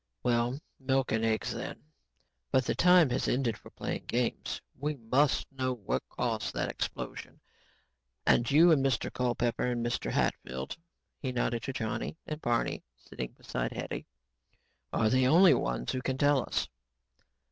"Well, milk and eggs, then. But the time has ended for playing games. We must know what caused that explosion and you and Mr. Culpepper and Mr. Hatfield," he nodded to Johnny and Barney sitting beside Hetty, "are the only ones who can tell us."